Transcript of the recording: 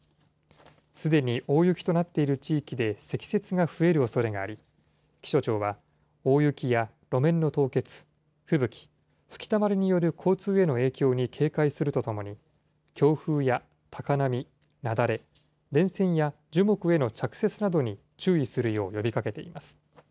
すでに大雪となっている地域で積雪が増えるおそれがあり、気象庁は、大雪や路面の凍結、吹雪、吹きだまりによる交通への影響に警戒するとともに、強風や高波、雪崩、電線や樹木への着雪などに注意するよう呼びかけています。